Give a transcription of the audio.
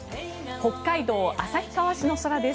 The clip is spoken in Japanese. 北海道旭川市の空です。